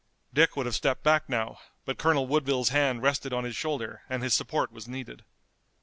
Dick would have stepped back now, but Colonel Woodville's hand rested on his shoulder and his support was needed.